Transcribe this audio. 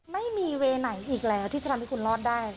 ไม่มีเวย์ไหนอีกแล้วที่จะทำให้คุณรอดได้